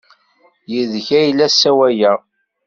Yid-k ay la ssawaleɣ!